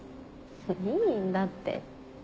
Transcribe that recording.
いいんだって。